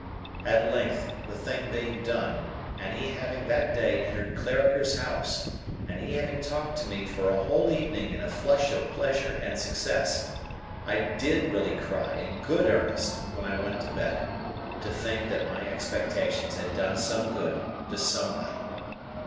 At length, the thing being done, and he having that day entered Clarriker's House, and he having talked to me for a whole evening in a flush of pleasure and success, I did really cry in good earnest when I went to bed, to think that my expectations had done some good to somebody.